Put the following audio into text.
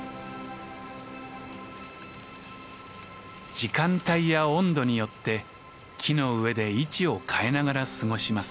時間帯や温度によって木の上で位置を変えながら過ごします。